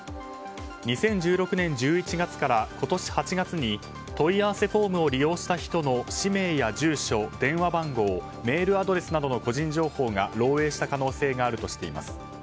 ２０１６年１１月から今年８月に問い合わせフォームを利用した人の氏名や住所、電話番号メールアドレスなどの個人情報が漏洩した可能性があるとしています。